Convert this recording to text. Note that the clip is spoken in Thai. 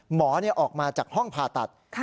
หมอออกมาจากห้องผ่าตัด